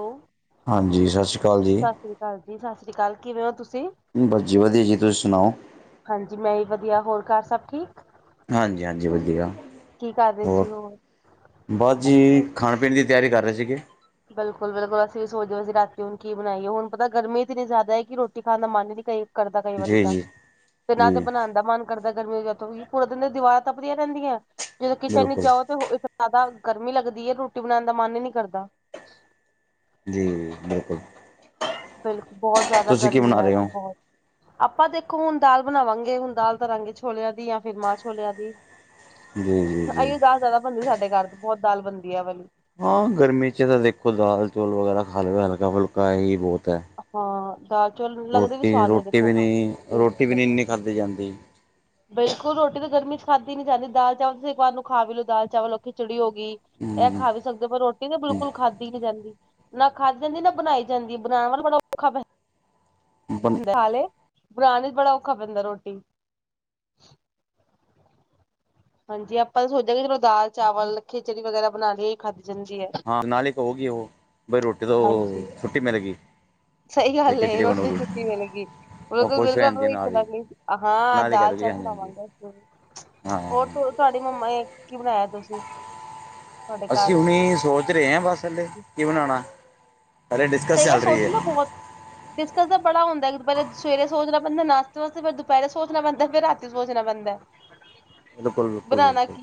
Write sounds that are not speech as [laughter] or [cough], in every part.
Hello, ਹਾਂਜੀ। ਸਸ ਰੀ ਕਾਲ ਜੀ। ਹਾਂਜੀ। ਸਸ ਰੀ ਕਾਲ, ਕਿਵੇਂ ਓ ਤੁਸੀ? ਬਸ ਜੀ ਵਧੀਯਾ ਜੀ, ਤੁਸੀ ਸੁਣਾਓ? ਹਾਂਜੀ, ਮੈਂ ਈ ਵਧੀਯਾ, ਹੋਰ ਘਰ ਸਭ ਠੀਕ? ਹਾਂਜੀ- ਹਾਂਜੀ ਵਧੀਯਾ, ਕੀ ਕਰ ਰਹੇ ਹੋਰ ਸੀ ਬ ਜੀ ਖਾਣ -ਪੀਣ ਦੀ ਤਿਆਰੀ ਕਰ ਰਹੇ ਸੀਗੇ। ਬਿਲਕੁਲ, ਬਿਲਕੁਲ, ਅਸੀਂ ਸੋਚ ਰੇ ਸੀ, ਰਾਤੀ ਹੁਣ ਕੀ ਬਣਾਈਏ, ਹੁਣ ਪਤਾ ਗਰਮੀ ਇਤਨੀ ਜ਼ਿਆਦਾ ਐ ਕਿ ਰੋਟੀ ਖਾਣ ਦਾ ਮਨ ਨੀ ਕਈ ਕਰਦਾ ਕਈ ਵਾਰੀ ਜੀ ਤਾਂ, ਜੀ ਤੇ ਨਾ ਤੇ ਜੀ ਬਣਾਨ ਦਾ ਮਨ ਕਰਦਾ ਗਰਮੀ ਜਦ ਕੋਈ, ਪੂਰਾ ਦਿਨ ਦੀਵਾਰਾਂ ਤਪਦੀਆਂ ਰਹਿੰਦੀਆਂ, ਜਦੋਂ ਕਿਚਨ ਨ ਬਿਲਕੁਲ ਜਾਓ ਤੇ ਜ਼ਿਆਦਾ ਗਰਮੀ ਲੱਗਦੀ ਐ, ਰੋਟੀ ਬਣਾਉਣ ਦਾ ਮਨ ਈ ਨੀ ਕਰਦਾ। ਜੀ ਬਿਲਕੁਲ। ਬਿਲਕੁਲ ਬਹੁਤ ਜ਼ਿਆਦਾ ਤੁਸੀਂ ਕੀ ਗਰਮੀ ਬਣਾ ਐ ਰਹੇ ਜੀ ਹੋ ਬਹੁਤ। ਆਪਾਂ ਦੇਖੋਂ ਹੁਣ ਦਾਲ ਬਣਾਵਾਂਗੇ, ਹੁਣ ਦਾਲ ਤਰਾਂਗੇ ਛੋਲਿਆਂ ਦੀ ਜਾਂ ਫਿਰ ਮਾਂਹ ਛੋਲਿਆਂ ਦੀ। ਜੀ ਜੀ ਜੀ ਆਈਓ ਦਾਲ ਜ਼ਿਆਦਾ ਬਣਦੀ ਸਾਡੇ ਘਰ, ਬਹੁਤ ਦਾਲ ਬਣਦੀ ਆ ਵੀ। ਹਾਂ ਗਰਮੀ ਚ ਤਾਂ ਦੇਖੋ ਦਾਲ -ਚੌਲ ਵਗੈਰਾ ਖਾ ਲਵੇ, ਹਲਕਾ- ਫੁਲਕਾ ਇਹ ਹੀ ਬਹੁਤ ਐ। ਹਾਂ ਦਾਲ- ਚੌਲ ਲੱਗਦੇ ਵੀ ਸਵਾਦ ਨੇ ਰੋਟੀ ਦੇਖੋ। ਵੀ ਨਹੀਂ ਰੋਟੀ ਵੀ ਨਹੀਂ ਇੰਨੀ ਖਾਧੀ ਜਾਂਦੀ ਬਿਲਕੁਲ ਰੋਟੀ ਤਾਂ ਗਰਮੀ ਚ ਖਾਧਦੀ ਨੀ ਜਾਂਦੀ, ਦਾਲ ਚਾਵਲ ਤੁਸੀ ਇੱਕ ਵਾਰ ਨੂੰ ਖਾ ਵੀ ਲਓ, ਦਾਲ ਚਾਵਲ ਚਿੜੀ ਹੋ। ਗੀ ਇਹ ਖਾ ਵੀ ਸਕਦੇ, ਪਰ ਰੋਟੀ ਤਾਂ ਬਿਲਕੁਲ ਖਾਧੀ ਨੀ ਜਾਂਦੀ, ਨਾ ਖਾਧੀ ਜਾਂਦੀ ਨਾ ਬਣਾਈ ਜਾਂਦੀ। ਬਣਾ ਬੰ ਹਾਲੇ, ਬਣਾਣੇ ਚ ਬੜਾ ਔਖਾ ਪੈਂਦਾ ਰੋਟੀ ਹਾਂਜੀ, ਆਪਾਂ ਤਾਂ ਸੋਚਿਆ ਕਿ ਚਲੋ ਦਾਲ- ਚਾਵਲ, ਖਿਚੜੀ ਵਗੈਰਾ ਬਣਾ ਖਾਧ ਜਾਂਦੀ ਐ। ਹਾਂ ਨਾਲੇ ਕਹੋਗੀ ਉਹ ਬਈ ਰੋਟੀ ਹਾਂਜੀ ਤੋਂ ਛੁੱਟੀ ਮਿਲਗੀ। ਸਹੀ ਗੱਲ ਐ, ਰੋਟੀ ਛੁੱਟੀ ਮਿਲ ਗਈ। ਉਹ ਬਿਲਕੁਲ, ਖੁਸ਼ ਹੋ ਬਿਲਕੁਲ ਜਾਂਦੀ ਉਹੀ ਨਾਲ ਹੀ ਕਰਾਗੇ ਹਾਂ, ਨਾਲ ਹੀ ਕਹਿ ਦਾਲ- ਦੂਗੀ ਚਾਲ ਹਾਂਜੀ ਹਾਂਜੀ ਬਣਾਵਾਂਗੇ ਅਜ ਤੇ ਹਾਂ ਉਹ ਤੁਹਾਡੀ ਮੰਮਾ ਕੀ ਬਣਾਇਆ ਤੁਸੀਂ ਤੁਹਾਡੇ ਅਸੀਂ ਘਰ ਹੁਣੀ ਸੋਚ ਰਹੇ ਹਾਂ ਬਸ ਹੱਲਲੇ ਕੀ ਬਣਾਉਣਾ, ਹਲੇ ਡਿਸਕਸ ਸਹੀ ਗੱਲ ਚੱਲ ਰਹੀ ਐ। ਸੋਚਣਾ ਬਹੁਤ ਡਿਸਕਸ ਤਾਂ ਬੜਾ ਹੁੰਦਾ ਇੱਕ ਦਪਹਿਰੇ ਸਵੇਰੇ ਸੋਚਣਾ ਪੈਂਦਾ ਨਾਸਤੇ ਵਾਸਤੇ ਫਿਰ ਦੁਪਹਿਰੇ ਸੋਚਣਾ ਪੈਂਦਾ ਫਿਰ ਰਾ ਸੋਚਣਾ ਪੈਦਾ ਬਿਲਕੁਲ, ਬਿਲਕੁਲ, ਬਿਲਕੁਲ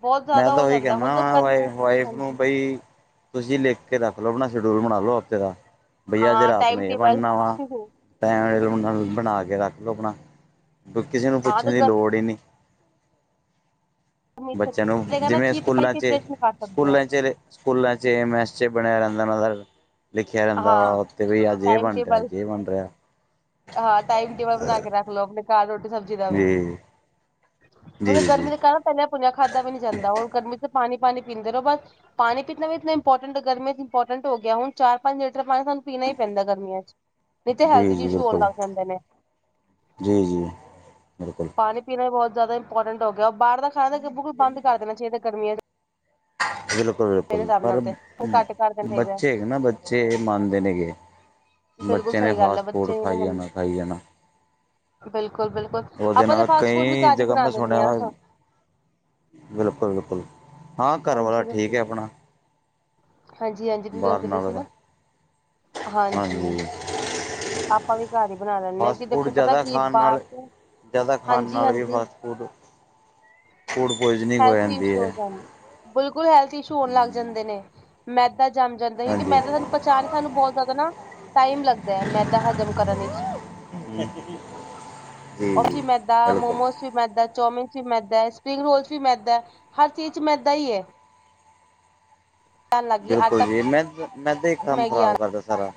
ਬਹੁਤ ਮੈਂ ਜ਼ਿਆਦਾ ਤਾਂ ਹੋ ਉਹੀ ਜਾਂਦਾ ਕਹਿੰਦਾ ਹੁਣ ਤਾਂ ਵਾ, ਵ ਗਰਮੀਆਂ ਚ- ਵਾਈਫ ਨੂੰ ਹਾਂਜੀ ਬਈ। ਤੁਸੀਂ ਲਿਖ ਕੇ ਰੱਖ ਲਓ ਆਪਣਾ ਸ਼ਡਿਊਲ ਬਣਾ ਲਓ ਹਫ਼ਤੇ ਦਾ, ਬਈ ਅੱਜ ਹਾਂ ਰਾਤ ਨੂੰ ਟਾਈਮ ਇਹ ਟੇਬਲ ਬਣਨਾ ਵਾ। ਟਾਈਮ ਬਣਾ ਕੇ ਰੱਖ ਲਓ ਆਪਣਾ, ਕਿ ਕਿਸੇ ਨੂੰ ਹਾਂ ਪੁੱਛਣ ਤਾਂ ਦੀ ਲੋੜ ਈ ਨੀਂ। ਗਰਮੀ ਚ ਨ ਨਾ ਜਿਵੇਂ ਕੀ ਤੁਸੀਂ ਸਕੂਲਾਂ 'ਚ ਪ੍ਰੀਪਰੇਸ਼ਨ ਕਰ ਸਕਦੇ ਹੋ ਸਕੂਲਾਂ 'ਚ। ਸਕੂਲਾਂ ਚ ਮੈਸ ਚ ਬਣਿਆ ਰੈਂਦਾ [inaudible] ਲਿਖਿਆ ਰਹਿੰਦਾ ਹਾਂ ਵਾ ਉੱਥੇ ਵੀ ਅੱਜ ਇਹ ਟਾਈਮ ਬਣ ਰਿਹਾ, ਟੇਬਲ ਅੱਜ ਇਹ ਬਣ ਰਿਹਾ। ਹਾਂ ਟਾਈਮ ਟੇਬਲ ਬਣਾ ਕੇ ਰੱਖ ਲਓ, ਆਪਣੇ ਘਰ ਰੋਟੀ ਸਬਜ਼ੀ ਦਾ ਵੀ। ਜੀ ਜੀ ਹੁਣ ਗਰਮੀ ਜੀ ਤੇ ਕਹਿ ਪਹਿਲਾਂ ਭੁੰਨਿਆ ਖਾਧਾ ਵੀ ਨੀ ਜਾਂਦਾ, ਉਹ ਗਰਮੀ ਚ ਪਾਣੀ- ਪਾਣੀ ਪੀਂਦੇ ਰਹੋ। ਬਸ ਪਾਣੀ ਪੀਣਾ ਵੀ ਇਤਨਾ ਇੰਪੋਰਟੈਂਟ ਗਰਮੀਆਂ ਚ ਇੰਪੋਰਟੈਂਟ ਹੋ ਗਿਆ ਹੁਣ, ਚਾਰ -ਪੰਜ ਲੀਟਰ ਪਾਣੀ ਸਾਨੂੰ ਪੀਣਾ ਈ ਪੈਂਦਾ ਗਰਮੀਆਂ ਚ ਨਹੀਂ ਤੇ ਜੀ, ਹੈਲਥ ਚ ਜੀ ਇਸ਼ੂ ਹੋਣ ਬਿਲਕੁਲ, ਲੱਗ ਜਾਂਦੇ ਨੇ ਜੀ, ਜੀ ਬਿਲਕੁਲ। ਪਾਣੀ ਪੀਣਾ ਵੀ ਬਹੁਤ ਜ਼ਿਆਦਾ ਇੰਪੋਰਟੈੰਟ ਹੋ ਗਿਆ। ਬਾਹਰ ਦਾ ਖਾਣਾ ਗ ਬੁ ਬੰਦ ਕਰ ਦੇਣਾ ਚਾਹੀਦਾ ਗਰਮੀੀਆਂ ਚ। ਮੇਰੇ ਬਿਲਕੁਲ-ਬਿਲਕੁਲ ਹਿਸਾਬ ਪਰ ਨਾਲ ਤੇ ਘੱਟ ਕਰ ਦੇਣਾ ਚਾਹੀਦਾ ਬੱਚੇ ਹੈਨਾ ਬ। ਬੱਚੇ ਮੰਨਦੇ ਨੀ ਗੇ, ਬਿਲਕੁਲ ਬੱਚੇ ਨੇ ਫਾਸਟ-ਫੂਡ ਖਾਈ ਜਾਣਾ, ਖਾਈ ਜਾਣਾ। ਬਿਲਕੁਲ-ਬਿਲਕੁਲ ਉਹਦੇ ਆਪਾਂ ਤਾਂ ਨਾਲ ਫਾਸਟ ਫੂਡ ਵੀ ਕਈ ਘਰ ਹੀ ਬਣਾ ਦਿੰਦੇ ਹਾਂ ਹਾ। ਬਿਲਕੁਲ-ਬਿਲਕੁਲ, ਹਾਂ ਘਰਵਾਲਾ ਹਾਂਜੀ ਠੀਕ ਹੈ ਆਪਣਾ। ਹਾਂਜੀ-ਹਾਂਜੀ, ਤੁਸੀਂ ਬਾਹਰ ਦੱਸਦੇ ਪਏ ਨਾਲੋਂ ਸੀ ਨਾ ਤਾਂ ਹਾਂਜੀ। ਆਪਾਂ ਵੀ ਘਰ ਹੀ ਬਣਾ ਲੈਂਦੇ ਹਾਂ ਫਾਸਟ ਕਿ ਫੂਡ ਦੇਖੋ ਪਤਾ ਜ਼ਿਆਦਾ ਕੀ ਖਾਣ ਬਾਹਰ ਨਾਲ ਚ। ਜ਼ਿਆਦਾ ਖਾਣ ਨਾਲ ਵੀ ਫਾਸਟ ਫੂਡ, ਫੂਡ ਪੁਆਇਜ਼ਨਿੰਗ ਹੋ ਹੈਲਥ ਵੀ ਜਾਂਦੀ ਇਸ਼ੂ ਹੋ ਐ। ਜਾਂਦੇ ਬਿਲਕੁਲ, ਹੈਲਥ ਇਸ਼ੂ ਹੋਣ ਲੱਗ ਜਾਂਦੇ ਨੇ। ਮੈਦਾ ਜਮ ਜਾਂਦਾ, ਕਿਉਂਕਿ, ਹਾਂਜੀ ਮੈਦਾ ਸਾਨੂੰ ਪਚਾਣ ਸਾਨੂੰ ਬਹੁਤ ਜ਼ਿਆਦਾ ਨਾ ਟਾਈਮ ਲੱਗਦਾ ਹੈ, ਮੈਦਾ ਹਜ਼ਮ ਕਰਨ ਵਿੱਚ। ਹ ਓਫੀ ਮੈਦਾ ਬਿਲਕੁਲ ਮੋਮੋਸ ਵੀ ਮੈਦਾ, ਚੌਮਿਨ ਚ ਵੀ ਮੈਦਾ ਹੈ, ਸਪਰਿੰਗ ਰੋਲਸ ਵੀ ਮੈਦਾ, ਹਰ ਚੀਜ਼ ਚ ਮੈਦਾ ਹੀ ਹੈ। ਆਣ ਲੱਗ ਗਈ ਬਿਲਕੁਲ ਆਟਾ ਜੀ, ਮੈਂ ਮੈਂਦਾ ਹੀ ਕੰਮ ਮੈਗੀ ਖ਼ਰਾਬ ਆਣ ਕਰਦਾ ਸਾਰਾ।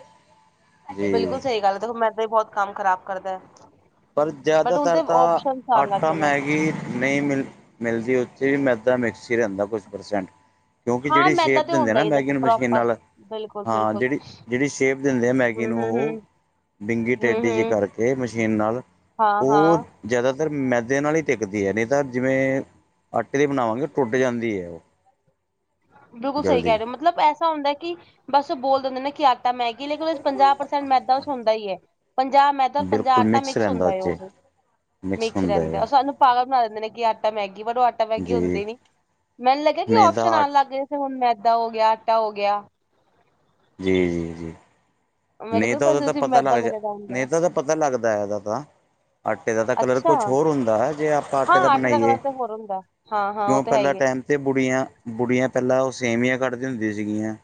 ਜੀ ਬਿਲਕੁਲ ਸਹੀ ਗੱਲ, ਦੇਖੋ ਮੇਦਾ ਵੀ ਬਹੁਤ ਕੰਮ ਖ਼ਰਾਬ ਕਰਦਾ। ਪਰ, ਬਟ ਹੁਣ ਤੇ ਜ਼ਿਆਦਾਤਰ ਤਾਂ ਓਪਸ਼ਨ ਆਣ ਲੱਗ ਆਟਾ ਗਏ ਨੇ ਮੈਗੀ ਨਹੀਂ ਮਿਲ ਮਿਲਦੀ, ਉੱਥੇ ਵੀ ਮੈਦਾ ਮਿਕਸ ਹੀ ਰਹਿੰਦਾ ਕੁਛ ਪਰਸੈਂਟ। ਕਿਉਂਕਿ, ਹਾਂ ਜਿਹੜੀ ਮੈਦਾ ਸ਼ੇਪ ਤੇ ਦਿੰਦੇ ਆ ਹੁੰਦਾ ਨਾ ਹੀ ਹੈ ਦੇਖੋ ਮੈਗੀਨ ਮਸ਼ੀਨ ਪ੍ਰੋਪਰ ਨਾਲ ਬਿਲਕੁਲ ਹਾਂ, ਬਿਲਕੁਲ ਜਿਹੜੀ- ਜਿਹੜੀ ਸ਼ੇਪ ਦਿੰਦੇ ਆ ਮੈਗੀ ਹੂੰ ਨੂੰ ਹੂੰ ਹੂੰ ਉਹ, ਡਿੰਗੀ ਟੇਡੀ ਜਿਹੀ ਕਰਕੇ ਮਸ਼ੀਨ ਨਾਲ ਹਾਂ- ਉਹ ਹਾਂ! ਜ਼ਿਆਦਾਤਰ ਮੈਦੇ ਨਾਲ ਹੀ ਟਿੱਕਦੀ ਹੈ। ਨਹੀਂ ਤਾਂ ਜਿਵੇਂ ਆਟੇ ਦੀ ਬਣਾਵਾਂਗੇ ਟੁੱਟ ਜਾਂਦੀ ਏ। ਬਿਲਕੁਲ ਸਹੀ ਕਹਿ ਰਹੇ, ਮਤਲਬ ਐਸਾ ਹੁੰਦਾ ਕਿ ਬਸ ਬੋਲ ਦਿੰਦੇ ਨੇ ਕਿ ਆ ਤਾਂ ਮੈਗੀ ਲੇਕਿਨ, ਉਹ ਚ ਪੰਜਾਹ ਪ੍ਰਸੈਂਟ ਮੈਦਾ ਚ ਹੁੰਦਾ ਹੀ ਏ। ਪੰਜਾਹ ਮੈਦਾ, ਪੰਜਾਹ ਬਿਲਕੁਲ ਆਟਾ, ਮਿਕਸ ਰਹਿੰਦਾ ਹੁੰਦਾ 'ਚ ਉਹ, ਮਿਕਸ ਹੁੰਦਾ ਰਹਿੰਦੇ ਆ ਹੈ ਸਾਨੂੰ ਪਾਗਲ ਬਣਾ ਦਿੰਦੇ ਨੇ, ਕਿ ਆਟਾ ਮੈਗੀ ਪਰ ਉਹ ਆਟਾ ਮੈਗੀ ਜੀ ਹੁੰਦੀ ਨੀ, ਮੈਨੂੰ ਲੱਗਿਆ ਕਿ ਨਹੀਂ ਤਾਂ ਆਟ ਆਣ ਲੱਗ ਗਏ ਸੀ, ਹੁਣ ਮੈਦਾ ਹੋ ਗਿਆ, ਆਟਾ ਹੋ ਗਿਆ। ਜੀ -ਜੀ- ਜੀ! ਮੇਰੇ ਨਹੀਂ ਕੋਲ ਤਾਂ ਉਹਦਾ ਵੈਸੇ ਤਾਂ ਸਿਰਫ ਪਤਾ ਮੈਦਾ ਲੱਗ ਜਾ, ਮੇਰੇ ਦਾ ਹੁੰਦਾ ਨਹੀਂ ਤਾਂ ਉਹ ਤਾਂ ਪਤਾ ਲੱਗਦਾ ਉਹਦਾ ਤਾਂ। ਆਟੇ ਦਾ ਤਾਂ ਕਲਰ ਅੱਛਾ ਕੁਛ ਹੋਰ ਹੁੰਦਾ ਹੈ, ਜੇ ਆਪਾਂ ਹਾਂ ਆਟੇ ਦਾ ਬਣਾਈਏ, ਕਲਰ ਤੇ ਹੋਰ ਹੁੰਦਾ। ਹਾਂ-ਹਾਂ ਉਹ ਕਿਉਂ ਤਾਂ ਹੈ ਪਹਿਲਾਂ ਈ ਐ ਟਾਈਮ ਅਤੇ ਬੁੜੀਆਂ -ਬੁੜੀਆਂ ਪਹਿਲਾਂ ਉਹ ਸੇਵੀਆਂ ਕੱਢਦੀ ਹੁੰਦੀ ਸੀਗੀਆਂ।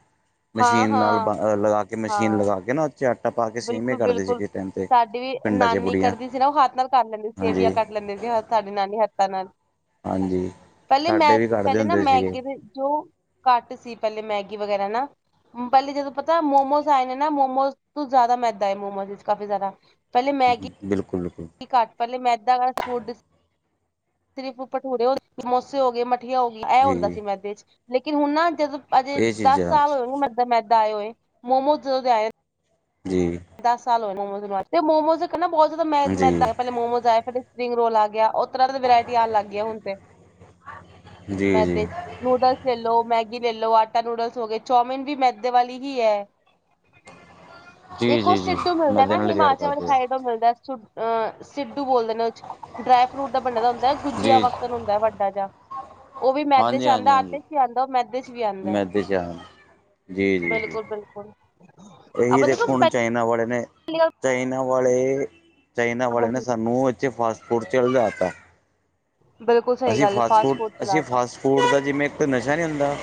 ਮਸ਼ੀਨ ਨਾਲ ਬ ਹਾਂ-ਹਾਂ, ਲਗਾ ਕੇ ਮਸ਼ੀਨ ਹਾਂ। ਲਗਾ ਕੇ ਨਾ 'ਚ ਆਟਾ ਪਾ ਕੇ ਸੇਮੇ ਬਿਲਕੁਲ- ਕਰਦੇ ਬਿਲਕੁਲ ਸੀਗੇ ਟਾਈਮ 'ਤੇ ਸਾਡੀ ਵੀ ਪਿੰਡਾਂ 'ਚ ਨਾਨੀ ਬੁੜੀਆਂ ਕਰਦੀ ਸੀ ਨਾ ਉਹ ਹੱਥ ਨਾਲ ਕਰ ਲੈਂਦੀ ਸੀ। ਹਾਂਜੀ ਸੇਵੀਆਂ ਕੱਟ ਲੈਂਦੇ ਸੀ, ਸਾਡੀ ਨਾਨੀ ਹੀ ਹੱਥਾਂ ਨਾਲ। ਹਾਂਜੀ ਪਹਿਲੇ ਸਾਡੇ ਮੈਂ ਵੀ ਕੱਢਦੇ ਪਹਿਲੇ ਨਾ ਹੁੰਦੇ ਸੀਗੇ ਮੈਗੇ ਜੋ ਘੱਟ ਸੀ ਪਹਿਲੇ ਮੈਗੀ ਵਗੈਰਾ ਨਾ, ਪਹਿਲੇ ਜਦੋਂ ਪਤਾ ਮੋਮੋਸ ਆਏ ਨੇ ਨਾ ਮੋਮੋਜ਼ ਸ ਤੋਂ ਜ਼ਿਆਦਾ ਮੈਦਾ ਏ ਮੋਮੋਜ਼ ਵਿੱਚ, ਕਾਫੀ ਜ਼ਿਆਦਾ, ਪਹਿਲੇ ਮੈਗੀ ਬਿਲਕੁਲ- ਬਿਲਕਲ! ਘੱਟ ਪਹਿਲੇ ਮੈਂਦਾਂ ਫੂੱਡ ਸਿਰਫ ਭਟੂਰੇ ਹੋ ਗਏ, ਸਮੋਸੇ ਹੋ ਗਏ, ਮਠੀਆਂ ਹੋ ਗਈਆਂ, ਇਹ ਹੁੰਦਾ ਜੀ ਸੀ ਮੈਂਦੇ ਚ, ਲੇਕਿਨ ਹੁਣ ਨਾ ਜਦੋਂ ਅਜੇ ਇਹ ਦਸ ਚੀਜ਼ਾਂ ਸਾਲ ਹੋਏਗੇ ਮੈਦਾ- ਮੈਦਾ ਆਏ ਹੋਏ, ਮੋਮੋਸ ਜਦੋਂ ਦੇ ਆਏ ਜੀ। ਦਸ ਸਾਲ ਹੋਏ ਮੋਮੋ ਤੇ, ਮੋਮੋਜ਼ਹ ਨਾ ਬਹੁਤ ਜ਼ਿਆਦਾ ਮੈ- ਮੈਂ ਜੀ ਪਹਿਲੇ ਮੋਮੋਜ਼ ਆਏਆ। ਸਿੰਗ ਰੋਲ ਆ ਗਿਆ, ਉਹ ਤਰ੍ਹਾਂ ਦੀ ਵਰਾਇਟੀ ਆਉਣ ਲੱਗ ਗਈ ਹੁਣ ਤੇ, ਜੀ ਜੀ ਮੈਦੇ ਚ। ਨੂਡਲਸ ਲੈ ਲਓ, ਮੈਗੀ ਲੈ ਲਓ, ਆਟਾ ਨੂਡਲਸ ਹੋ ਗਏ, ਚੌਮਿਨ ਵੀ ਮੈਦੇ ਵਾਲੀ ਹੀ ਹੈ। ਜੀ ਇੱਕ ਉਹ ਜੀ ਜੀ ਸਿੱਧੂ ਮਿਲਦਾ ਨਾ, ਮੈਦੇ ਨਾਲ ਹੀ ਤਿਆਰ ਹਿਮਾਚਲ ਵਾਲੀ ਕਰਦੇ ਆ ਸਾਈਡ ਤੋਂ ਮਿਲਦਾ, ਅਹ ਸਿੱਧੂ ਬੋਲਦੇ ਨੇ। ਡਰਾਈ ਫਰੂਟ ਦਾ ਬਣੇ ਦਾ ਹੁੰਦਾ, ਗੁੰਜੀਆ ਜੀ ਵਾਕਣ ਹੁੰਦਾ ਹੈ ਵੱਡਾ ਜਿਹਾ। ਉਹ ਵੀ ਮੈਦੇ ਹਾਂਜੀ ਚ -ਹਾਂਜੀ ਆਉਂਦਾ -ਹਾਂਜੀ ਆਟੇ ਚ ਵੀ ਆਉਂਦਾ ਉਹ ਮੈਦੇ ਚ ਵੀ ਆਉਂਦਾ ਮੈਦੇ ਚ। ਜੀ -ਜੀ -ਜੀ ਬਿਲਕੁਲ ਬਿਲਕੁਲ ਇਹੀ ਦੇਖੋ ਹੁਣ ਚਾਈਨਾ ਵਾਲੇ ਨੇ, ਪਹਿਲੀ ਗੱਲ ਚਾਈਨਾ ਵਾਲੇ, ਚਾਈਨਾ ਵਾਲੇ ਨੇ ਹਾਂਜੀ ਸਾਨੂੰ ਇੱਥੇ ਫਾਸਟ ਖੁਰਚਲੇ ਜਾਤਾ। ਬਿਲਕੁਲ ਸਹੀ ਅਸੀਂ ਗੱਲ ਹੈ ਫਾਸਟ ਫੂਡ -ਅਸੀਂ ਚਲਾਤਾ ਫਾਸਟ ਫੂਡ ਦਾ ਜਿਵੇਂ ਇੱਕ ਨਸ਼ਾ ਨਹੀਂ ਹੁੰਦਾ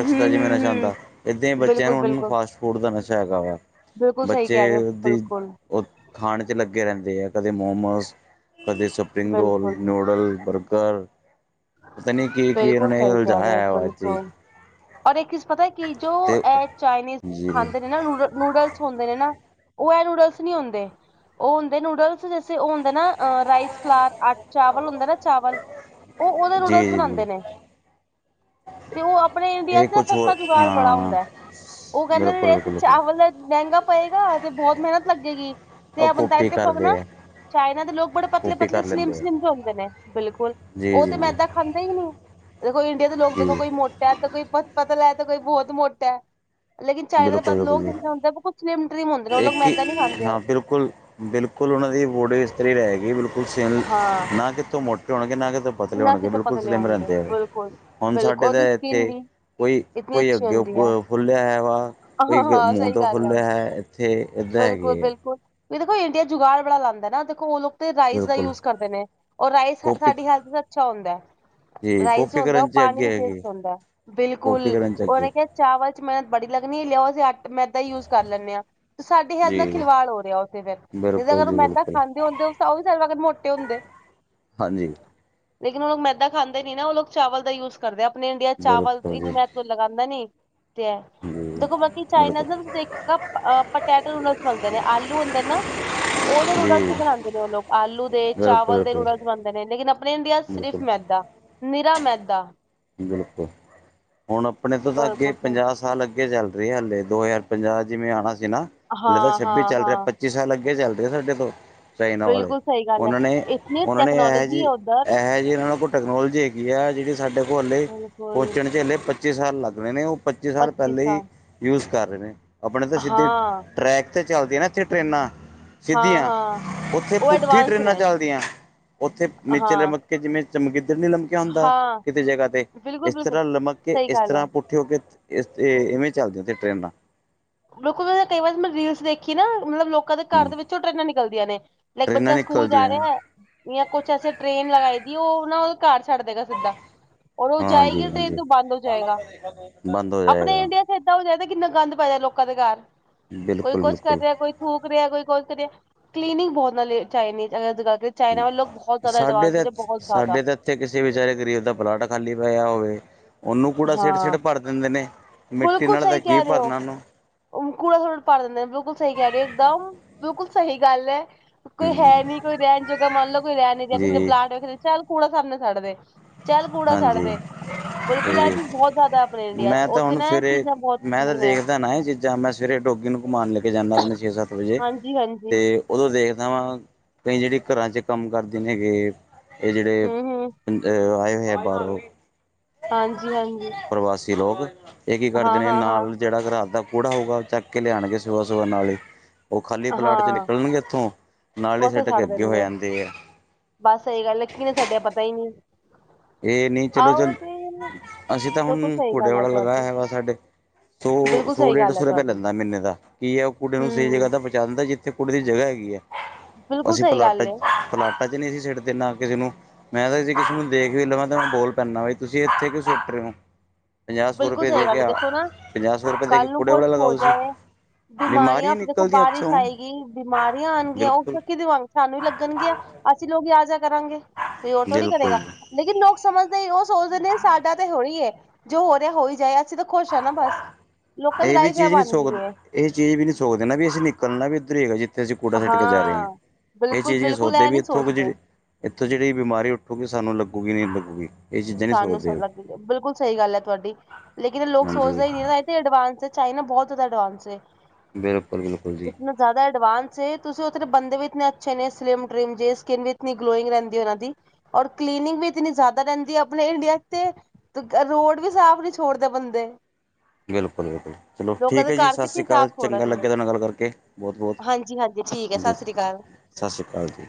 ਹਮ ਦਾ ਜਿਵੇਂ ਹਮ ਨਸ਼ਾ ਹਮ ਹੁੰਂਦਾ, ਏਦਾਂ ਹੀ ਬੱਚਿਆਂ ਬਿਲਕੁਲ ਨੂੰ ਉਹਨਾਂ ਨੂੰ ਬਿਲਕੁਲ ਫਾਸਟ ਫੂਡ ਦਾ ਨਸ਼ਾ ਹੈਗਾ ਵਾ। ਬਿਲਕੁਲ ਸਹੀ ਬੱਚੇ ਕਹਿ ਰਹੇ ਹੋ ਦੀ ਬਿਲਕੁਲ ਉਹ ਖਾਣ 'ਚ ਲੱਗੇ ਰਹਿੰਦੇ ਆ ਕਦੇ ਮੋਮੋਸ ਕਦੇ, ਸਪ ਸਪਰਿੰਗ ਰੋਲ, ਬਿਲਕੁਲ ਨੂਡਲ, ਬਰਗਰ। ਪਤਾ ਨਹੀਂ ਕੀ ਕੀ ਇਹਨਾਂ ਬਿਲਕੁਲ ਨੇ ਸਹੀ ਕਹਿ ਰਹੇ ਹੋ ਉਲਝਾਇਆ ਵਾ ਹੀ ਬਿਲਕੁਲ ਔਰ ਇੱਕ ਚੀਜ਼ ਪਤਾ ਕਿ ਜੋ ਤੇ ਇਹ ਚਾਈਨੀਜ਼ ਜੀ ਜੀ ਖਾਂਦੇ ਨੇ ਨਾ ਨੂਡਲ ਨੂਡਲਸ ਹੁੰਦੇ ਨੇ ਨਾ ਉਹ ਇਹ ਨੂਡਲਸ ਨਹੀਂ ਹੁੰਦੇ। ਉਹ ਹੁੰਦੇ ਨੂਡਲਸ ਜੈਸੇ ਉਹ ਹੁੰਦੇ ਨਾ ਰਾਈਸ ਫਲਾਰ ਚਾਵਲ ਹੁੰਦਾ ਨਾ ਚਾਵਲ। ਉਹ ਉਹਦੇ ਨੂਡਲਸ ਜੀ ਜੀ ਬਣਾਉਂਦੇ ਨੇ। ਤੇ ਉਹ ਆਪਣੇ ਇੰਡੀਆ ਇਹ ਚ ਨਾ ਕੁਝ ਸਸਤਾ ਹੋਰ ਜੁਗਾੜ ਬੜਾ ਹਾਂ ਹੁੰਦਾ। ਉਹ ਕਹਿੰਦੇ ਬਿਲਕੁਲ ਨੇ ਇੱਥੇ ਬਿਲਕੁਲ ਬਿਲਕੁਲ ਚਾਵਲ ਮਹਿੰਗਾ ਪਏਗਾ ਤੇ ਬਹੁਤ ਮਿਹਨਤ ਲੱਗੇਗੀ। ਉਹ ਤੇ ਬਣਦਾ ਕਾਪੀ ਦੇਖੋ ਨਾ ਕਰਦੇ ਆ ਚਾਈਨਾ ਦੇ ਲੋਕ ਬੜੇ ਪਤਲੇ ਕਾਪੀ ਪਤਲੇ ਕਰ ਸਲਿਮ- ਲੈਂਦੇ ਆ ਸਲਿਮ ਚ ਹੁੰਦੇ ਨੇ ਬਿਲਕੁਲ ਜੀ ਉਹ ਜੀ ਤੇ ਜੀ ਮੈਦਾ ਖਾਂਦੇ ਹੀ ਨਹੀਂ ਦੇਖੋ ਇੰਡੀਆ ਦੇ ਲੋਕ ਦੇਖੋ ਜੀ ਕੋਈ ਮੋ ਦ ਕੋਈ ਪਤਲਾ ਤੇ ਕੋਈ ਬਹੁਤ ਮੋਟਾ। ਲੇਕਿਨ ਚਾਈਨਾ ਦੇ ਬਿਲਕੁਲ ਪਤਾ ਬਿਲਕੁਲ ਲੋਕ ਜੀ ਜਿੇ ਹੁੰਦੇ ਕੁ ਸਿਮ ਟ੍ਰਿਮ ਹੁੰਦੇ ਉਹ ਲੋਕ ਇੱਕ ਮੈਦਾ ਨ ਨਹੀਂ ਹੀ ਖਾਂਦੇ। ਹਾਂ ਬਿਲਕੁਲ ਬਿਲਕੁਲ ਉਹਨਾਂ ਦੀ ਬੋਡੀ ਇਸ ਤਰਾਂ ਹੀ ਰਹੇਗੀ ਬਿਲਕੁਲ ਸੇਮ ਹਾਂ। ਨਾ ਕਿਤੇ ਮੋਟੇ ਹੋਣਗੇ ਨਾ ਕਿਤੇ ਪਤਲੇ ਨਾ ਹੋਣਗੇ ਕਿਤੋਂ ਬਿਲਕੁਲ ਪਤਲੇ ਸਲਿਮ ਹੋਣਗੇ ਰਹਿੰਦੇ ਹੈ। ਬਿਲਕੁਲ, ਹੁਣ ਬਿਲਕੁਲ ਸਾਡੇ ਤਾਂ ਉਹਦੀ ਸਕਿਨ ਇੱਥੇ ਵੀ ਕੋਈ ਇਤਨੀ ਕੋਈ ਅੱਛੀ ਅੱਗੇ ਹੁੰਦੀ ਹੈ। ਫੁੱਲਿਆ ਹੋਇਆ ਵਾ। ਕੋਈ ਹਾਂ-ਹਾਂ ਮੂੰਹ ਸਹੀ ਦਾ ਗੱਲ ਫੁੱਲ ਹੋਇਆ ਹੈ ਇੱਥੇ ਏਦਾਂ ਹੈਗੇ ਹੈ। ਬਿਲਕੁਲ-ਬਿਲਕੁਲ ਵੀ ਦੇਖੋ ਇੰਡੀਆ ਚ ਜੁਗਾੜ ਬੜਾ ਲਾਂਦਾ ਨਾ ਦੇਖੋ ਉਹ ਲੋਕ ਰਾਈਸ ਦਾ ਬਿਲਕੁਲ ਯੂਜ ਕਰਦੇ ਨੇ ਔਰ ਰਾਈਸ ਕਾਪੀ ਸਾਡੀ ਹੈਲਥ ਅੱਛਾ ਹੁੰਦਾ। ਜੀ ਰਾਈਸ ਕਾਪੀ ਹੁੰਦਾ ਉਹ ਕਰਨ 'ਚ ਪਾਣੀ ਦਾ ਅੱਗੇ ਬੇਸਟ ਹੈਗੇ ਹੁੰਦਾ ਕਾਪੀ ਬਿਲਕੁਲ ਕਰਨ 'ਚ ਅੱਗੇ ਉਹਨੇ ਕਿਹਾ ਚਾਵਲ ਚ ਮਿਹਨਤ ਬੜੀ ਲੱਗਣੀ ਲਿਆਓ ਅਸੀਂ ਮੈਂਦਾ ਹੀ ਯੂਜ ਕਰ ਲੈਂਦੇ ਹਾਂ। ਸਾਡੇ ਹੈਲਥ ਨਾਲ ਜੀ ਖਿਲਵਾੜ ਹੋ ਰਿਹਾ ਉੱਥੇ ਫਿਰ ਜ ਬਿਲਕੁਲ ਅਗਰ ਉਹ ਜੀ ਮੈਦਾ ਬਿਲਕੁਲ ਖਾਂਦੇ ਹੁੰਦੇ ਤਾਂ ਉਹ ਵੀ ਸਾਡੇ ਵਰਗੇ ਮੋਟੇ ਹੁੰਦੇ। ਹਾਂਜੀ। ਲੇਕਿਨ ਉਹ ਲੋਕ ਮੈਦਾ ਖਾਂਦੇ ਨੀ ਨਾ। ਉਹ ਲੋਕ ਚਾਵਲ ਦਾ ਯੂਜ ਕਰਦੇ। ਆਪਨੇ ਇੰਡੀਆ'ਚ ਚਾਵਲ ਬਿਲਕੁਲ ਇੰਨੀ ਜੀ ਲਗਾਉਂਦਾ ਨੀ ਤੇ ਹੈ ਜੀ ਦੇਖੋ, ਬਾਕੀ ਚਾਈਨਾ ਬਿਲਕੁਲ ਨਾ ਤੁਸੀਂ ਦੇਖ- ਪਟੈਟੋ ਨੂਡਲਸ ਬਣਦੇ ਨੇ। ਆਲੂ ਹੁੰਦੇ ਨਾ, ਉਹਦੇ ਨੂਡਲਸ ਜੀ ਵੀ ਬਣਾਉਂਦੇ ਨੇ ਉਹ ਲੋਕ। ਆਲੂ ਦੇ, ਬਿਲਕੁਲ ਚਾਵਲ ਦੇ ਬਿਲਕੁਲ ਨੂਡਲਸ ਬਣਦੇ ਨੇ ਲੇਕਿਨ, ਆਪਣੇ ਇੰਡੀਆ ਸਿਰਫ਼ ਬਿਲਕੁਲ ਮੈਦਾ ਨਿਰਾ ਮੈਦਾ। ਬਿਲਕੁਲ। ਹੁਣ ਆਪਣੇ ਤੋਂ ਤਾਂ ਅੱਗੇ ਪੰਜਾਹ ਸਾਲ ਅੱਗੇ ਚੱਲ ਰਹੇ ਹਾਲੇ। ਦੋ ਹਜ਼ਾਰ ਪੰਜਾਹ ਜਿਵੇਂ ਆਉਣਾ ਸੀ ਨਾ। ਹਲੇ ਤਾਂ ਛੱਬੀ ਚੱਲ ਰਿਹਾ, ਪੱਚੀ ਸਾਲ ਅੱਗੇ ਚੱਲ ਰਹੇ ਆ ਸਾਡੇ ਤੋਂ। ਚਾਈਨਾ ਵਾਲੇ। ਉਹਨਾਂ ਨੇ, ਉਹਨਾਂ ਨੇ ਇਹੋ ਜਿਹੀ ਇਹੋ ਇਹਨਾਂ ਕੋਲ ਟੈਕਨੋਲਜੀ ਹੈਗੀ ਆ, ਜਿਹੜੀ ਸਾਡੇ ਕੋਲ ਹੱਲੇ ਪਹੁੰਚਣ 'ਚ ਹੱਲੇ ਪੱਚੀ ਸਾਲ ਲਗਨੇ ਨੇ। ਉਹ ਪੱਚੀ ਸਾਲ ਪਹਿਲਾਂ ਹੀ ਯੂਸ ਕਰ ਰਹੇ ਨੇ। ਆਪਣੇ ਤਾਂ ਸਿੱਧੇ- ਟਰੈਕ ਤੇ ਚੱਲਦੀ ਨਾ ਇੱਥੇ ਟਰੇਨਾਂ। ਸਿੱਧੀਆਂ। ਉੱਥੇ ਪੁੱਠੀਆਂ ਟਰੇਨਾਂ ਚੱਲਦੀਆਂ। ਉੱਥੇ ਨੀਚੇ ਲਮਕ ਕੇ ਜਿਵੇਂ ਚਮਗਿੱਦੜ ਨੀ ਲਮਕਿਆ ਹੁੰਦਾ ਕਿਤੇ ਜਗ੍ਹਾ ਤੇ, ਬਿਲਕੁਲ ਇਸ ਬਿਲਕੁਲ ਤਰ੍ਹਾਂ ਲਮਕ ਕੇ ਸਹੀ ਇਸ ਗੱਲ ਹੈ ਤਰ੍ਹਾਂ ਪੁੱਠੇ ਹੋ ਕੇ, ਇਵੇਂ ਚਲਦੀਆੱ ਉੱਥੇ ਟ੍ਰੇਨਾਂ। ਬਿਲਕੁਲ, ਮੈਂ ਕਈ ਵਾਰ ਮੈਂ ਰੀਲਸ ਦੇਖੀ ਨਾ ਮਤਲਬ ਲੋਕਾਂ ਦੇ ਘਰ ਹੂੰ ਦੇ ਵਿੱਚੋਂ ਟਰੇਨਾਂ ਨਿਕਲਦੀਆਂ ਨੇ। ਲਾਈਕ, ਟ੍ਰੇਨਾਂ ਬੱਚਾ ਸਕੂਲ ਜਾ ਨਿਕਲਦੀਆਂ ਰਿਹਾ ਏ। ਜਾਂ ਕੁਛ ਐਸੇ ਟ੍ਰੇਨ ਲਗਾਈ ਦੀ, ਉਹ ਨਾ ਉਹ ਘਰ ਛੱਡ ਦੇਗਾ ਸਿੱਧਾ। ਔਰ ਉਹ ਜਾਏਗੀ, ਹਾਂਜੀ ਟ੍ਰੇਨ ਹਾਂਜੀ ਤੋਂ ਬੰਦ ਹੋ ਜਾਏਗਾ। ਬੰਦ ਹੋ ਆਪਣੇ ਜਾਏਗਾ ਇੰਡੀਆ- ਏਦਾਂ ਹੋ ਜਾਦਾ ਕਿੰਨਾ ਗੰਦ ਪੈ ਜਾ ਲੋਕਾਂ ਦੇ ਘਰ। ਕੋਈ ਬਿਲਕੁਲ ਕੁਛ ਕਰ ਬਿਲਕੁਲ ਰਿਹਾ ਕੋਈ- ਥੂਕ ਰਿਹਾ ਕੋਈ ਕੁਛ ਰਿਹਾ। ਕਲੀਨਿੰਗ ਬਹੁਤ ਨਾਲੇ ਚਾਇ ਚਾਈਨੀਜ਼ ਜਗ੍ਹਾ ਤੇ। ਚਾਈਨਾ ਵਾਲੇ ਲੋਕ ਬਹੁਤ ਜ਼ਿਆਦਾ ਐਡਵਾੰਸ ਨੇ, ਬਹੁਤ ਜ਼ਿਆਦਾ। ਜਿੱਥੇ ਕਿਸੇ ਵਿਚਾਰੇ ਗਰੀਬ ਦਾ ਪਲਾਟ ਖਾਲੀ ਪੈਆ ਹੋਵੇ, ਉਹਨੂੰ ਕੂੜਾ ਹਾਂ ਸਿੱਟ-ਸਿੱਟ ਭਰ ਦਿੰਦੇ ਨੇ। ਮਿੱਟੀ ਬਿਲਕੁਲ ਨਾਲ ਤਾਂ ਸਹੀ ਕੀ ਕਹਿ ਰਹੇ ਹੋ ਭਰਨਾ ਉਹਨੂੰ। ਕੂੜਾ ਸੁੱਟਕੇ ਭਰ ਦਿੰਦੇ ਨੇ, ਬਿਲਕੁਲ ਸਹੀ ਕਹਿ ਰਹੇ ਇਕਦਮ, ਬਿਲਕੁਲ ਸਹੀ ਗੱਲ ਐ। ਕੋਈ ਹੈ ਹੂੰ ਨਹੀਂ ਕੋਈ ਰਹਿਣ ਜੋਗਾ ਮੰਨ ਲਓ, ਕੋਈ ਰਹਿਣ ਨੀ ਰਿਹਾ, ਕਿਸੇ ਜੀ ਪਲਾਂਟ ਵੇਖਨਾ ਚੱਲ ਕੂੜਾ ਸਾਹਮਣੇ ਸੱਟਦੇ। ਚੱਲ, ਕੂੜਾ ਹਾਂਜੀ ਸਟਦੇ। ਬਿਲਕੁਲ, ਐ ਤੇ ਚੀਜ਼ ਬਹੁਤ ਜ਼ਿਆਦਾ ਆਪਣੇ ਇੰਡੀਆ'ਚ, ਮੈਂ ਤਾਂ ਉੱਥੇ ਹੁਣ ਨਾ ਇਹ ਚੀਜ਼ਾਂ ਬਹੁਤ ਕਲੀਨ ਹੈ। ਜਾ ਮੈਂ ਸਵੇਰੇ ਡੋਗੀ ਨੂੰ ਘੁੰਮਾਉਣ ਲੇਕੇ ਜਾਂਦਾ, ਆਪਣੇ ਛੇ-ਸੱਤ ਵਜੇ, ਹਾਂਜੀ ਹਾਂਜੀ ਤੇ ਉਦੋਂ ਦੇਖਦਾ ਵਾਂ ਕਈ ਜਿਹੜੇ ਘਰਾਂ 'ਚ ਕੰਮ ਕਰਦੇ ਨੇਗੇ, ਏ ਜਿਹੜੇ ਹੂੰ ਹੂੰ ਐ, ਆਏ ਹੋਏ ਆ, ਬਾਹਰੋ। ਹਾਂਜੀ ਹਾਂਜੀ ਪ੍ਰਵਾਸੀ ਲੋਕ, ਇਹ ਕੀ ਕਰਦੇ ਹਾਂ ਨੇ ਹਾਂ ਨਾਲ ਹਾਂ ਜਿਹੜਾ ਰਾਤ ਦਾ ਕੂੜਾ ਹੋਊਗਾ, ਉਹ ਚੱਕਕੇ ਲਿਆਣਗੇ ਸੁਭਾ-ਸੁਭਾ ਨਾਲ ਈ। ਉਹ ਖਾਲੀ ਪਲਾਟ'ਚੋਂ ਹਾਂ ਨਿਕਲਣਗੇ ਇੱਥੋਂ, ਨਾਲ ਈ ਉੱਥੇ ਸਿੱਟਕੇ ਸੱਟ ਅੱਗੇ ਹੋ ਦੇਣਗੇ ਜਾਂਦੇ ਆ। ਬਸ ਸਹੀ ਗੱਲ ਏ, ਕੀਨੇ ਸਟਿਆ ਪਤਾ ਈ ਨਹੀਂ। ਇਹ ਨਹੀਂ ਆਹੋ ਚਲੋ-ਚੱਲ, ਤੇ ਅਸੀਂ ਤਾ ਬਿਲਕੁਲ ਹੁਣ, ਸਹੀ ਕੁਡੇ ਗੱਲ ਵਾਲਾ ਲਗਾਇਆ ਤੁਹਾਡੀ ਹੈ ਵਾ ਸਾਡੇ। ਬਿਲਕੁਲ ਸੌ-ਸੌ, ਸਹੀ ਗੱਲ ਹੈ ਡੇਢ-ਸੌ ਰੁਪਇਆ ਤੁਹਾਡੀ ਲੈਂਦਾ ਮਹੀਨੇ ਦਾ, ਕੀ ਹੈ ਉਹ ਕੁਡੇ ਨੂੰ ਸਹੀ ਹਮ ਜਗ੍ਹਾ ਤੇ ਪਹੁੰਚਾ ਜਾਂਦਾ, ਜਿੱਥੇ ਕੁੜੀ ਦੀ ਜਗ੍ਹਾ ਹੈਗੀ ਏ, ਬਿਲਕੁਲ ਅਸੀਂ ਸਹੀ ਪਲਾਟਾ ਗੱਲ ਹੈ ਪਲਾਟਾ'ਚ ਨਹੀਂ ਅਸੀ ਸਿੱਟਦੇ, ਨਾ ਕਿਸੇ ਨੂੰ, ਮੈਂ ਤਾਂ ਕਿਸੇ ਨੂੰ ਦੇਖ ਵੀ ਲਵਾ ਤੇ ਮੈਂ ਬੋਲ ਪੈਂਨਾ ਵਾ, ਤੁਸੀਂ ਇੱਥੇ ਕਿਉਂ ਸਿਟ ਰਹੇ ਓ? ਪੰਜਾਹ, ਸੌ ਬਿਲਕੁਲ ਰੁਪਏ ਸਹੀ ਗੱਲ ਦੇਕੇ ਹੈ ਅ ਦੇਖੋ ਨਾ ਪੰਜਾਹ, ਸੌ ਰੁਪਏ ਦੇਕੇ ਕੱਲ ਨੂੰ ਕੂੜੇ ਕੁਛ ਵਾਲਾ ਹੋ ਲਗਾਓ ਤੁਸੀ। ਜਾਏ ਬਿਮਾਰੀਆਂ ਦੇਖੋ ਬਾਰਿਸ਼ ਆਏਗੀ, ਬਿਮਾਰੀਆਂ ਆਣਗੀਆਂ, ਉਹ ਬਿਲਕੁਲ ਫੇਰ ਕੀਦੇ ਵਾ ਸਾਨੂੰ ਈ ਲੱਗਣਗੀਆਂ, ਅਸੀਂ ਲੋਕ ਈ ਆਜਿਆ ਕਰਾਂਗੇ, ਕੋਈ ਹੋਰ ਥੋੜੀ ਕਰੇਗਾ। ਬਿਲਕੁਲ ਲੇਕਿਨ ਲੋਕ ਸਮਝਦੇ ਉਹ ਸੋਚਦੇ ਨੇ, ਸਾਡਾ ਤਾ ਹੋਹੀ ਹੇ, ਜੋ ਹੋ ਰਿਹਾ ਹੋਈ ਜਾਏ, ਅਸੀਂ ਤਾਂ ਖੁਸ਼ ਆ ਨਾ ਬਸ, ਲੋਕਾਂ ਦੀ ਇਹ ਵੀ ਲਾਈਫ ਐ ਚੀਜ਼ ਨਹੀਂ ਬਣ ਸੋਕ ਗੀਏ। ਇਹ ਚੀਜ਼ ਵੀ ਨਹੀਂ ਸੋਚਦੇ ਨਾ ਵੀ, ਅਸੀਂ ਨੀਕਲਣਾ ਵੀ ਉੱਦਰੇ ਹੀ ਹੈਗਾ। ਤੇ ਅਸੀਂ ਕੂੜਾ ਸਿੱਟ ਕੇ ਜਾ ਰਹੇ ਆ, ਹਾਂ ਇਹ ਬਿਲਕੁਲ ਚੀਜ਼ ਨਹੀਂ ਬਿਲਕੁਲ ਸੋਚਦੇ ਇਹ ਵੀ ਇੱਥੋਂ ਕੁਝ ਸੋਚਦੇ ਇੱਥੋਂ ਜਿਹੜੀ ਬਿਮਾਰੀ ਉੱਠੂਗੀ, ਸਾਨੂੰ ਲੱਗੂਗੀ ਨਹੀਂ ਲੱਗੂਗੀ। ਇਹ ਚੀਜ਼ਾਂ ਨਹੀਂ ਸਾਨੂੰ ਸ ਸੋਚਦੇ ਉਹ ਲੱਗਜੇ, ਬਿਲਕੁਲ ਸਹੀ ਗੱਲ ਆ ਤੁਹਾਡੀ, ਲੇਕਿਨ ਲੋਕ ਸੋਚਦੇ ਹਾਂਜੀ ਹੀ ਨਹੀਂ ਨਾ ਏਨੇ ਐਡਵਾਂਸ ਚਾਈਨਾ, ਬਹੁਤ ਜ਼ਿਆਦਾ ਐਡਵਾਂਸ ਏ। ਬਿਲਕੁਲ-ਬਿਲਕੁਲ ਜੀ। ਜ਼ਿਆਦਾ ਐਡਵਾਂਸ ਏ, ਤੁਸੀਂ ਉਥ ਬੰਦੇ ਵੀ ਇਤੇ ਅੱਛੇ ਨੇ ਸਲਿਮ ਟ੍ਰਿਮ ਦੇ, ਸ੍ਕਿਨ ਵੀ ਇਤਨੀ ਗਲੋਇੰਗ ਰਹਿੰਦੀ ਏ, ਉਹਨਾਂ ਦੀ। ਔਰ ਕਲੀਨਿੰਗ ਵੀ ਇਤਨੀ ਜ਼ਿਆਦਾ ਰਹਿੰਦੀ ਐ ਅਪਣੇ ਇੰਡੀਆ'ਚ ਤੇ, ਰੋਡ ਵੀ ਸਾਫ਼ ਨਹੀਂ ਛੋੜਦੇ ਬੰਦੇ। ਬਿਲਕੁਲ-ਬਿਲਕੁਲ, ਚਲੋ ਲੋਕਾਂ ਠੀਕ ਦੇ ਹੈ ਜੀ ਘਰ ਸਤਿ ਕਿੱਥੇ ਸ਼੍ਰੀ ਅਕਾਲ, ਚੰਗਾ ਲੱਗਿਆ ਤੁਹਾਨ ਨਾਲ ਗੱਲ ਕਰਕੇ, ਬਹੁਤ-ਬਹੁਤ ਹਾਂਜੀ-ਹਾਂਜੀ ਠੀਕ ਐ, ਸਤਿ ਸ੍ਰੀ ਅਕਾਲ। ਸਤਿ ਸ਼੍ਰੀ ਅਕਾਲ ਜੀ।